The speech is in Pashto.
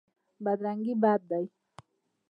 بدرنګي بد دی.